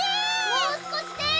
もうすこしです！